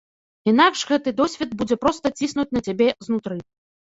Інакш гэты досвед будзе проста ціснуць на цябе знутры.